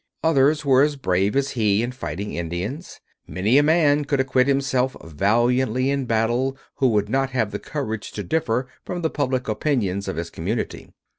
Others were as brave as he in fighting Indians. Many a man could acquit himself valiantly in battle who would not have the courage to differ from the public opinion of his community.